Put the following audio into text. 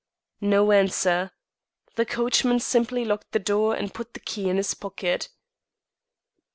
No answer; the coachman simply locked the door and put the key in his pocket.